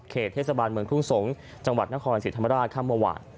เขตเทศบาลเมืองทุ่งสงศ์จังหวัดนครสิทธิ์ธรรมราชข้ามว่า